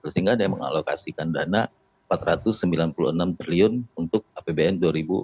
sehingga memang mengalokasikan dana rp empat ratus sembilan puluh enam triliun untuk apbn dua ribu dua puluh empat